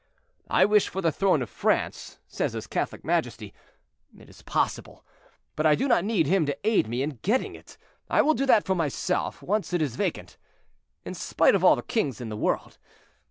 I wish for the throne of France, says his Catholic majesty; it is possible, but I do not need him to aid me in getting it; I will do that for myself, once it is vacant, in spite of all the kings in the world.